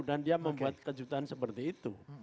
dan dia membuat kejutan seperti itu